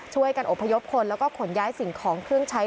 การอบพยพคนแล้วก็ขนย้ายสิ่งของเครื่องใช้